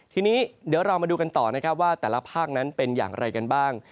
ทีนี้เดี๋ยวเรามาดูกันต่อนะครับว่าแต่ละภาคนั้นเป็นอย่างไรกันบ้าง